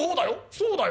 そうだよ。